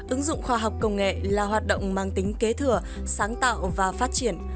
ứng dụng khoa học công nghệ là hoạt động mang tính kế thừa sáng tạo và phát triển